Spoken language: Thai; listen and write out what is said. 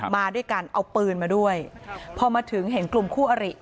มาด้วยกันเอาปืนมาด้วยพอมาถึงเห็นกลุ่มคู่อริ